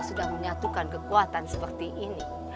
sudah menyatukan kekuatan seperti ini